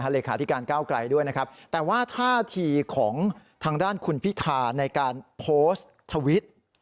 เลขาธิการก้าวไกลด้วยนะครับแต่ว่าท่าทีของทางด้านคุณพิธาในการโพสต์ทวิต